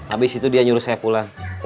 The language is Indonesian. abis itu dia nyuruh saya pulang